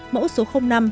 mẫu số năm